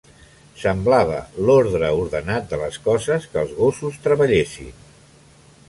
Semblava l'ordre ordenat de les coses que els gossos treballessin.